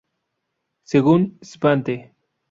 Según Svante.